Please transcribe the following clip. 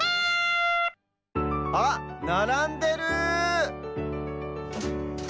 あっならんでる！